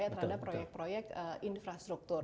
terhadap proyek proyek infrastruktur